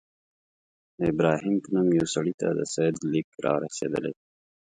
د ابراهیم په نوم یوه سړي ته د سید لیک را رسېدلی.